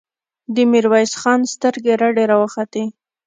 د ميرويس خان سترګې رډې راوختې.